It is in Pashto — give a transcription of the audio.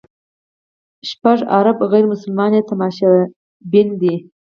شپږ اربه غیر مسلمان یې تماشبین دي.